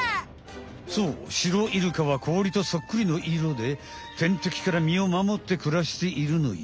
そうシロイルカはこおりとそっくりのいろでてんてきからみをまもってくらしているのよ。